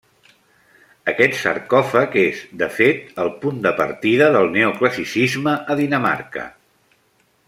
Aquest sarcòfag és, de fet, el punt de partida del neoclassicisme a Dinamarca.